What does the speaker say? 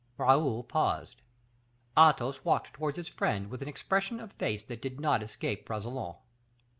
Raoul paused. Athos walked towards his friend with an expression of face that did not escape Bragelonne.